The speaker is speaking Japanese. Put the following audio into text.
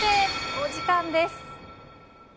お時間です。